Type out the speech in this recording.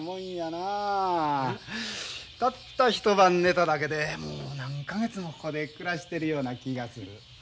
たった一晩寝ただけでもう何か月もここで暮らしてるような気がする。